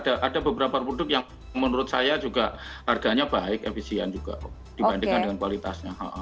ada beberapa produk yang menurut saya juga harganya baik efisien juga dibandingkan dengan kualitasnya